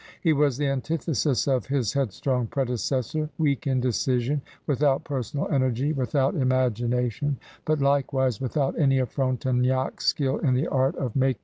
He was the antithesis of his headstrong predecessor, weak in decision, without personal energy, without imagination, but likewise without any of Frontenac's skill in the art of making